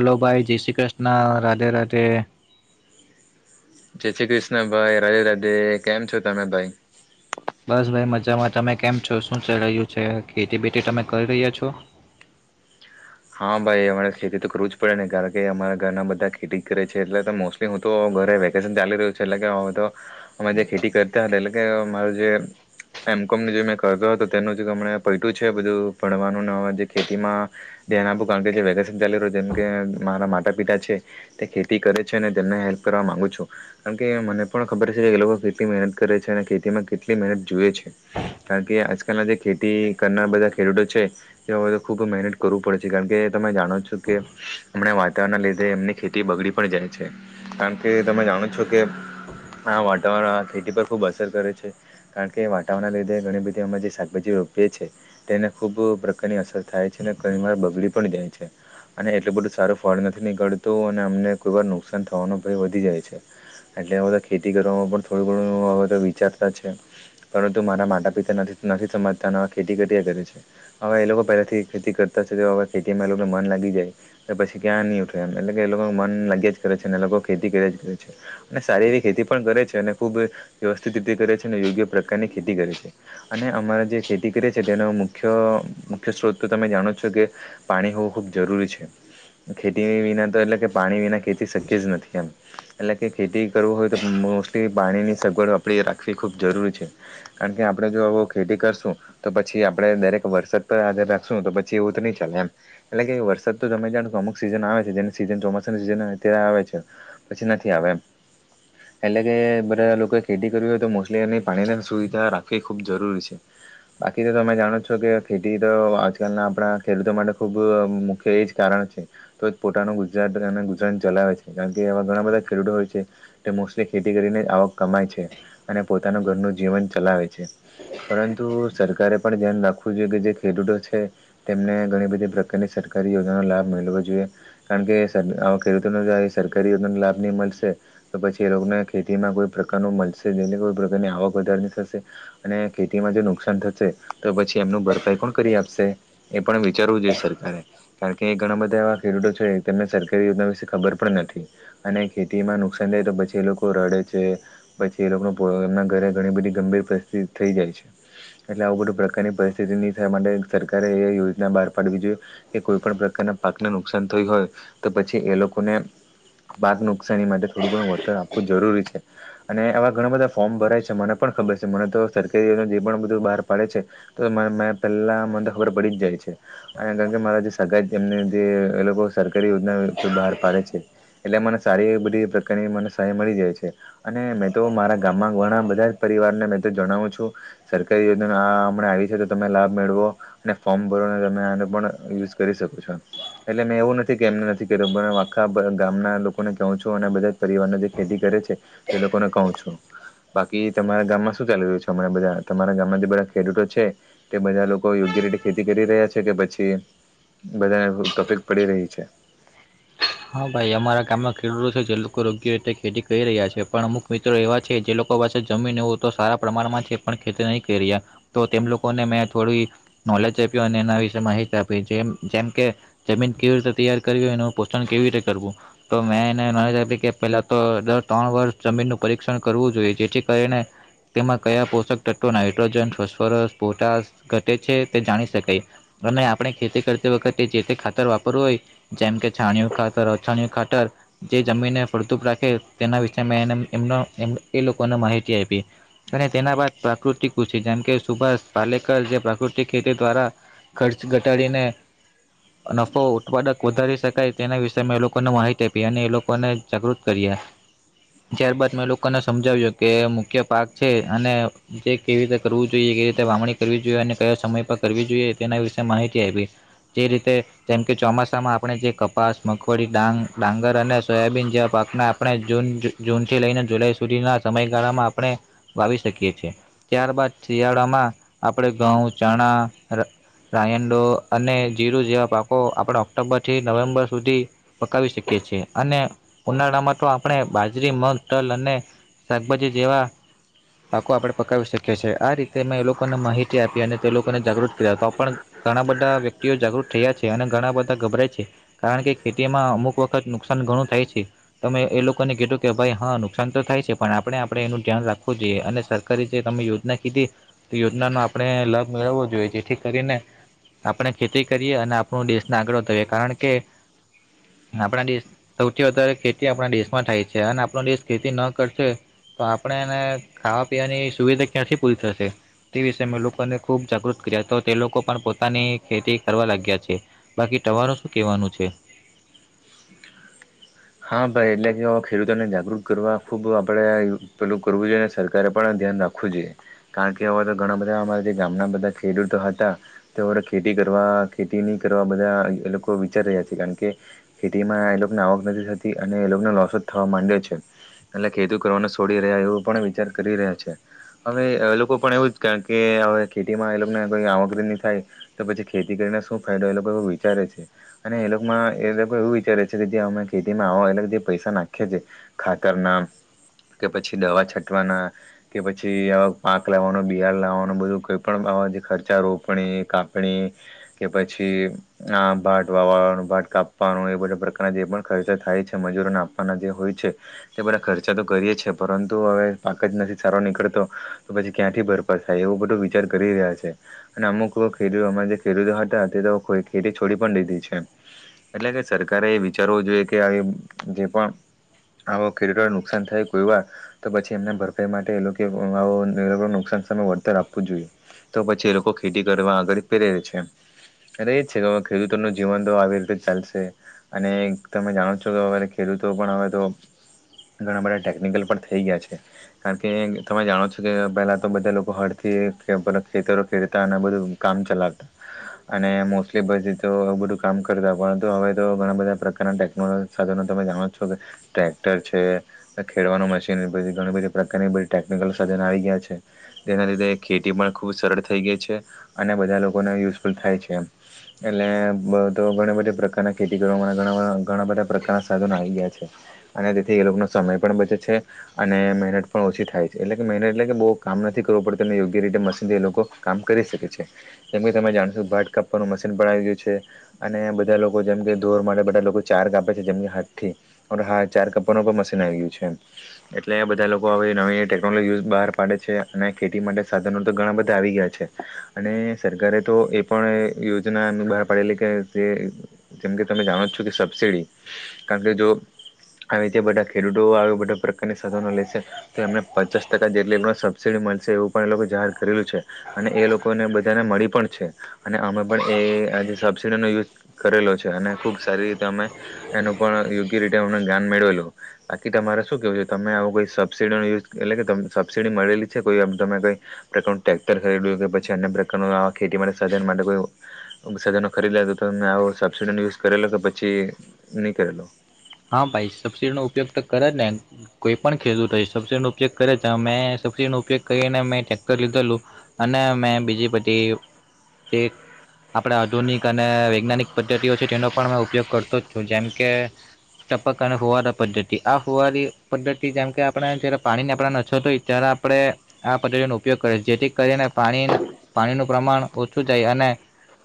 Hello ભાઈ, જય શ્રી કૃષ્ણ રાધે રાધે. જય શ્રી કૃષ્ણ ભાઈ, રાધે રાધે કેમ છો તમે ભાઈ? બસ, ભાઈ મજામાં તમે કેમ છો શું ચાલી રહ્યું છે? ખેતી બટી તમે કરી રહ્યા છો. હા, ભાઈ અમારે ખેતી તો કરવું જ પડે. કારણ કે, અમારા ઘરના બધા ખેતી કરે છે એટલે તો મોસ્ટલી હું તો ઘરે વેકેશન ચાલી રહ્યું છું એટલે કે હવે તો અમે જે ખેતી કરતા હતા એટલે કે, અમારા જે એમ કોમને જે મેં કરતો હતો તેનું જે હમણા પૈટું છે બધું ભણવાનું જે ખેતીમાં ધ્યાન આપું કારણ કે જે વેકેશન ચાલી રહ્યું જેમ કે મારા માતા પિતા છે તે ખેતી કરે છે અને તેમને હેલ્પ કરવા માગુ છું. કારણ કે, મને પણ ખબર છે કે એ લોકો કેટલી મહેનત કરે છે અને ખેતીમાં કેટલી મહેનત જુએ છે કારણ કે આજકાલના જે ખેતી કરનાર બધા ખેડૂતો છે એ હવે તો ખૂબ મહેનત કરવું પડે. કારણ કે, તમે જાણો છો કે હમણાં વાતાવરણના લીધે એમની ખેતી બગડી પણ જાય છે કારણ કે તમે જાણો છો કે આ વાતાવરણ આ ખેતી પર ખૂબ અસર કરે છે કારણ કે વાતાવરણના લીધે ઘણી બધી અમે જે શાકભાજી રોપીએ છીએ તેને ખૂબ પ્રકારની અસર થાય છે અનેર બગડી પણ જાય છે અને એટલું બધું સારું ફળ નથી નીકળતું અને અમને કોઈ વાર નુકસાન થવાનું પણ વધી જાય છે. એટલે, આ બધા ખેતી કરવામાં પણ થોડું ઘણું હવે તો વિચારતા છે પરંતુ મારા માતા પિતાનાથી નથી સમજતા અને ખેતી કર્યા કરે છે. હવે, એ લોકો પહેલાથી ખેતી કરતા છે તો હવે ખેતીમાં મન લાગી જાય પછી ક્યાં નહી ઉઠવા એમ એટલે કે એ લોકો મન લાગ્યા જ કરે છે અને એ લોકો ખેતી કર્યા જ કરે છે અને સારી એવી ખેતી પણ કરે છે અને ખૂબ વ્યવસ્થિત રીતે કરે છે અને યોગ્ય પ્રકારની ખેતી કરે છે અને અમારે જે ખેતી કરે છે તેનો મુખ્ય મુખ્ય સ્ત્રોત તો તમે જાણો છો કે પાણી હોવું ખૂબ જરૂરી છે. ખેતી વિના તો એટલે કે, પાણી વિના ખેતી શક્ય જ નથી એમ એટલે કે, ખેતી કરવું હોય તો મોસ્ટલી પાણીની સગવડ આપણી રાખવી ખૂબ જરૂરી છે. કારણ કે, આપણે જો ખેતી કરશું તો પછી આપણે દરેક વરસાદ પર આધાર રાખશું તો પછી એવું તો નહીં ચાલે એમ. [inaudible] એટલે કે, વરસાદ તો તમે જાણો છો અમુક સિઝન આવે છે જેની સીઝન ચોમાસાની સિઝન અત્યારે આવે છે પછી નથી આવે એમ. એટલે કે, બધા લોકોએ ખેતી કરવી હોય તો મોસ્ટલી એની પાણીને સુવિધા રાખવી ખૂબ જરૂરી છે. બાકી તો તમે જાણો છો કે, ખેતી તો આજકાલના આપણા ખેડૂતો માટે ખૂબ મુખ્ય એ જ કારણ છે તો જ પોતાનું ગુજરાત અને ગુજરાન ચલાવે છે. કારણ કે, એવા ઘણા બધા ખેડૂતો હોય છે તે મોસ્ટલી ખેતી કરીને જ આવક કમાય છે અને પોતાનું ઘરનું જીવન ચલાવે છે. પરંતુ સરકારે પણ ધ્યાન રાખવું જોઈએ કે, જે ખેડૂતો છે તેમને ઘણી બધી સરકારની સરકારી યોજનાનો લાભ મેળવો જોઈએ. કારણ કે, ખેડૂતોને જો સરકારી યોજનાનો લાભ નહી મલશે તો પછી એ લોકોને ખેતીમાં કોઈ પ્રકાર ન મલશે જેને કોઈ પ્રકારની આવક વધારે થશે અને ખેતીમાં જો નુકસાન થશે તો પછી એમનું ભરપાઈ કોણ કરી આપશે એ પણ વિચારવું જોઈશે. સરકારે કારણ કે, એ ઘણા બધા એવા ખેડૂતો છે તેમને સરકારી યોજના વિશે ખબર પણ નથી અને ખેતીમાં નુકસાન થાય તો પછી એ લોકો રડે છે પછી એ લોકોનો એમના ઘરે ઘણી બધી ગંભીર પરિસ્થિતિ થઈ જાય છે. એટલે, આવું બધું પ્રકારની પરિસ્થિતિ નહીં થવા માટે સરકારે એ યોજના બહાર પાડવી જોઈએ. કે, કોઈ પણ પ્રકારના પાકને નુકસાન થયું હોય, તો પછી એ લોકોને પાકનુ શની માટે થોડું ઘણું વળતર આપવું જરૂરી છે. અને આવા ઘણા બધા ફોર્મ ભરાય છે મને પણ ખબર છે મને તો સરકારી જે પણ બધું બહાર પાડે છે તો પહેલા મને તો ખબર પડી જ જાય છે. અને કારણ કે મારા જે સગાય એમને જે એ લોકો સરકારી યોજના બહાર પાડે છે. એટલે, મને સારી એ બધી પ્રકારની મને સહાય મળી જાય છે અને મે, તો મારા ગામમાં ઘણા બધા પરિવારને મેં તો જણાવું છું. સરકારી યોજના હમણા આવી છે તો તમે લાભ મેળવો અને ફોર્મ ભરને તમે આ હું, પણ યુઝ કરી શકું છું. એટલે, મેં એવું નથી કે એમને નથી કેધું પણ આખા ગામના લોકોને કહું છું અને બધા જ પરિવારને જે ખેતી કરે છે. તે લોકોને કહું છું. બાકી તમારા ગામમાં શું ચાલી રહ્યું છે હમણાં બધા તમારા ગામમાં જે બધા ખેડૂતો છે તે બધા લોકો યોગ્ય રીતે ખેતી કરી રહ્યા છે કે પછી બધાંને ટોપિક પડી રહી છે. હા ભાઈ, અમારા ગામમાં ખેડૂતો છે જે લોકો યોગ્ય રીતે ખેતી કરી રહ્યા છે પણ અમુક મિત્રો એવા છે જે લોકો પાસે જમીન એવું તો સારા પ્રમાણમાં છે પણ ખેતી નય કરી રહ્યા તો તેમ લોકોને મેં થોડી નોલેજ આપી અને એના વિશે માહિત આપી જેમ જેમ કે જમીન કેવી રીતે તૈયાર કરવી અને કેવી રીતે કરવું તો મેં એને નોલેજ આયપી કે પેલાં તો દર ત્રણ વર્ષ જમીનનું પરીક્ષણ કરવું જોઈએ જેથી કરીને તેમાં કયાં પોષક તત્વો નાઇટ્રોજન, ફસ્ફરસ, પોટશ ઘટે છે તે જાણી શકાય અને આપણે ખેતી કરતી વખતે જેતે ખાતર વાપરવું હોય જેમ કે છાણયું ખાતર, અછાણયું ખાતર જે જમીનને ફળદુપ રાખે તેના વિશે મેં એને એમનો એમ એ લોકોને માહિતી આયપી અને તેનાં બાદ પ્રાકૃતિક કૃષિ જેમ કે સુભાષ પાલેકર જે પ્રાકૃતિક ખેતી દ્વારા ખર્ચ ઘટાડીને નફો ઉત્પાદક વધારી શક તેના વિષે મે લોકોને માહિતી આપી અને એ લોકોને જાગૃત કરીએ. ત્યારબદ મેં લોકોને સમજાવ્યું કે, મુખ્ય પાક છે અને તે કેવી રીતે કરવું જોઈએ કે વાવણી કરવી જોઈએ અને કયા સમય પર કરવી જોઈએ તેના વિશે માહિતી આયપી જે રીતે જેમકે, ચોમાસામાં આપણે જે કપાસ, મગફળી, ડાંગ, ડાંગર અને સોયાબીન જેવા પાકને આપણે જૂન. જૂનથી લઈને જુલાઈ સુધીના સમયગાળામાં આપણે વાવી શકીએ છીએ. ત્યારબાદ શિયાળામાં આપણે ઘઉં, ચણા, રાયંડો અને જીરું જેવા પાકો આપણે ઓક્ટોબરથી નવેમ્બર તે પકાવી શકીએ છીએ અને ઉનાળામાં તો આપણે બાજરી, મગ, તલ અને શાકભાજી જેવા પાકો આપણે પકાવી શકીએ છીએ. આ રીતે મેં એ લોકોને માહિતી આપી અને તે લોકોને જાગૃત કર્યા, તો પણ ઘણા બધા વ્યક્તિઓ જાગૃત થયા છે અને ઘણા બધા ગભરાય છે. કારણ કે, ખેતીમાં અમુક વખત નુકસાન ઘણું થાય છે. તમે એ લોકોને કીધું કે ભાઈ હા નુકસાન તો થાય છે પણ આપણે આપણે એનું ધ્યાન રાખવું જોઈએ અને સરકારે જે તમે યોજના કીધી તો યોજનાનો આપણે લાભ મેળવવો જોઈએ જેથી કરીને આપણે ખેતી કરીએ અને આપણું દેશને આગળ વધઈએ કારણ કે આપણા દેશ સૌથી વધારે ખેતી આપણા દેશમાં થાય છે અને આપણો દેશ ખેતી ન કરશે તો આપણેને ખાવા પીવાની સુવિધા ક્યાંથી પૂરી થશે તે વિશે મેં લોકોને ખૂબ જાગૃત કર્યા તો તે લોકો પણ પોતાની ખેતી કરવા લાગ્યા છે, બાકી તવારનું શું કહેવાનું છે? [unintelligible] હા, ભાઈ એટલે કે ખેડૂતોને જાગૃત કરવા ખૂબ આપણે પેલું કરવું જોઈએ અને સરકારે પણ ધ્યાન રાખવું જોઈએ. કારણ કે, એવા તો ઘણા બધા અમારા જે ગામના બધા ખેડૂતો હતા તેઓ ખેતી કરવા ખેતી નહીં કરવા બધા એ લોકો વિચારી રહ્યા છે. કારણ કે, ખેતીમાં એ લોકોને આવક થતી અને એ લોકોને લોસ જ થવા માડયો છે એટલે ખેતી કરવાનો છોડી રહ્યા એવું પણ વિચાર કરી રહ્યા છે હવે એ લોકો પણ એવું જ કે હવે ખેતીમાં એ લોકોને કોઈ આવક બીની થાય તો પછી ખેતી કરીને શું ફાયદો એ લોકો એવું વિચારે છે અને એ લોકોમાં એ લોકો એવું વિચારે છે કે જે અમે ખેતીમાં આવા અલગ જે પૈસા નાખીએ છે ખાતરના કે પછી દવા છટવાના કે પછી આવા પાક લાવવાનો બિયારણ લાવવાનો બધું કોઈ પણ આવા ખર્ચા રોપણી, કાપણી કે પછી આ ભાત વાવવાનું, ભાત કાપવાનું એ બધા પ્રકારના જે પણ ખર્ચા થાય છે મજૂરોને આપવાના જે હોય છે તે બધા ખર્ચા તો કરીએ છે. પરંતુ હવે, પાક જ નથી સારો નીકળતો તો પછી ક્યાંથી ભરપાઈ થાય. એવું બધું વિચાર કરી રહ્યા છે અને અમુક ખેડૂતો જે ખેડૂતો હતા તે ખેતી છોડી પણ દીધી છે. એટલે કે, સરકારે એ વિચારો જો કે, જે પણ આવો ખેડૂતોને નુકસાન થાય કોઈ વાર તો પછી એમના ભરપાઈ માટે એ લોકો નુકસાન સામે વળતર આપવું જોઈએ તો પછી એ લોકો ખેતી કરવા આગળ પ્રેરે છે અને એ જ છે કે, ખેડૂતોનું જીવન તો આવી રીતે ચાલશે અને તમે જાણો છો કે, હવે ખેડૂતો પણ હવે તો ઘણા બધા ટેકનિકલ પણ થઈ ગયા છે. કારણ કે, તમે જાણો છો કે, પહેલા તો બધા લોકો હળથી ખેતરો ખેરતા અને બધું કામ ચલાવતા અને મોસ્ટલી બધીતો બધું કામ કરતા. પરંતુ હવે તો ઘણા બધાકાર કારના ટેકનોલો સાધનો તમે જાણો છો કે ટ્રેક્ટર છે, ખેડવાનું મશીન બધી ઘણી બધી પ્રકારની બધી ટેકનિકલ સાધનો આવી ગયા છે. જેના લીધે ખેતી પણ ખૂબ સરળ થઈ ગઈ છે અને બધા લોકોને યુઝફુલ થાય છે એમ એટલે તો ઘણી બધી પ્રકારના ખેતી કરવાવામાં ઘણા બધા પ્રકારના સાધનો આવી ગયા છે અને તેથી એ લોકોનો સમય પણ બચે છે અને મહેનત પણ ઓછી થાય છે. એટલે કે, મહેનત એટલે કે બહુ કામ નથી કરવું પડતુંને યોગ્ય રીતે મશીનથી એ લોકો કામ કરી શકે છે જેમકે તમે જાણશો ભાત કાપવાનું મશીન પણ આવી ગયું છે અને બધા લોકો જેમકે ઢોર માટે બધા લોકો ચાર કાપે છે જેમ કે હાથથી હા ચાર કાપવાનું પણ મશીન આવી ગયું છે એમ એટલે બધા લોકો હવે નવી નવી ટેકનોલોજી યુઝ બહાર પાડે છે અને ખેતી માટે સાધનો તો ઘણા બધા આવી ગયા છે અને સરકારે તો એ પણ યોજના બહાર પાડેલી કે જે જેમકે તમે જાણો છો? કે સબસિડી કારણ કે જો આવી રીતે બધા ખેડૂતો આવી બધા પ્રકારના સાધનો લેશે તો એમને પચાસ ટકા જેટલી એમ સબસિડી મળશે એવું પણ એ લોકો જાહેર કરેલું છે અને એ લોકોને બધાને મળી પણ છે અને અમે પણ એ આ જે સબસિડીનો યુઝ કરેલો છે અને ખૂબ સારી રીતે અમે એનું પણ યોગ્ય રીતે અમને જ્ઞાન મેળવેલું બાકી તમારે શું કહેવું છે તમે આવો કોઈ સબસસીડીનો યુઝ એટલે કે સબસિડી મળેલી છે કોઈ તમે કંઈ પ્રકારનું ટ્રેૅક્ટર ખરીદ્યું કે પછી અન્ય પ્રકારનું આવા ખેતી માટે સાધન માટે કોઈ સાધનો ખરીદ લે તો તમે આવો સબસિડીનો યુઝ કરેલો તો પછી નહી કરેલો હા ભાઈ સબસિડી નો ઉપયોગ તો કરે ને કોઈ પણ ખેડૂતો સબસિડીનો ઉપયોગ કરે મેં સબસડીનો ઉપયોગ કરીને મેં ટેક્ટર લીધેલું અને મે બીજી બધી જે આપડા આધુનિક અને વૈજ્ઞાનિક પદ્ધતિઓ છે તેનો પણ ઉપયોગ કરતો જ છું જેમકે ટપક અને ફુવાળ પદ્ધતિ આ ફુવારી પદ્ધતિ જેમ કે આપણે જ્યારે પાણીની આપણને અછત હોય ત્યારે આપણે આ પદ્ધતિનો ઉપયોગ કરીએ જેથી કરીને પાણી પાણીનું પ્રમાણ ઓછું જાય અને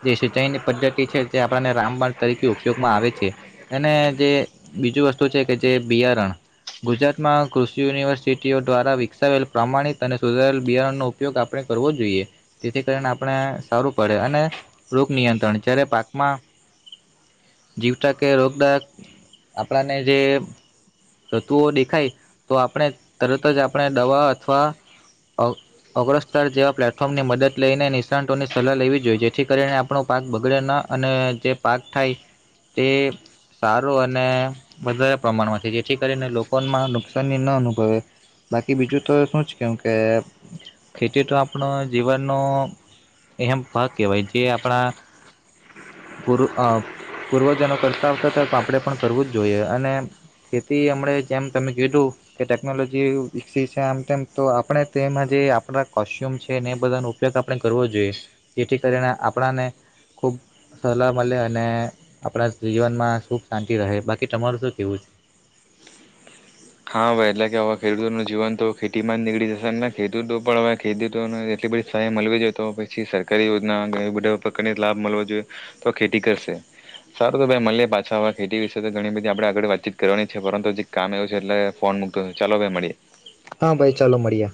જે સિંચાાઈની પદ્ધતિ છે તે આપણને રામબણ તરીકે ઉપયોગમાં આવે છે અને જે બી જે બિયારણ ગુજરાતમાં કૃષિ યુનિવર્સિટીઓ દ્વારા વિકસાવેલ પ્રામાણિક અને સુધારેલ બિયારણનો ઉપયોગ આપણે કરવો જોઈએ જેથી કરીને આપણે સારું પડે અને રોગ નિયંત્રણ જ્યારે પાકમાં જીવતા કે રોગક આપડા ને જે તત્વુઓ દેખાય તો આપડા તરત જ આપણે દવા અથવા અગ્રસ્તર જેવા પ્લેટફોર્મની મદદ લઈને નિષ્ણાતોની સલાહ લેવી જોઈએ જેથી કરીને આપણો પાક બગડે ના અને જે પાક થાય તે સારો અને વધારે પ્રમાણમાં છે, જેથી કરીને લોકોમાં નુકસાની ન અનુભવે, બાકી બીજું તો શું જ કેવુ કે ખેતી તો આપણો જીવનનો એહમ ભાગ કેહેવાય જે આપણા પૂર અ પૂર્વજનો કરતા આવતા હતા તો આપણે પણ કરવું જ જોઈએ અને ખેતી હમણેં જેમ તમે કીધું કે ટેકનોલોજી વિકસી છે આમ તેમ તો આપણે તેમાં જે આપણા કોશચ્યુમ છે ને એ બધાનો ઉપયોગ આપણે કરવો જોઈએ જેથી કરીને આપડાને ખૂબ સલાહ મળે અને આપડા જીવનમાં ખૂખ શાંતિ રહે બાકી કે તમારું તો કેવું છ હા ભાઈ એટલે કે હવા ખેડૂતોનું જીવન તો ખેતી માં જ નીકળી જશે ને ખેડૂતો પણ હવે ખેડૂતોને એટલી બધી સહાય મળવી જોઈએ તો પછી સરકારી યોજના બધા પ્રકારની લાભ મળવો જોઈએ તો ખેતી કરશે સારું તો ભાઈ મળે પાછા હવે ખેતી વિશે તો ઘણી બધી આપડે આગળ વાતચીત કરવાની છે પરંતુ જે કામ એટલે ફોન મૂકતો, ચાલો ભાઈ મળીએ. હા ભાઈ ચાલો મળીએ